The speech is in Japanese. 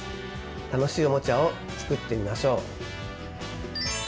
楽しいおもちゃを作ってみましょう！